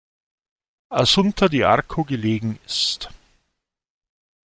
Assunta di Arco" gelegen ist.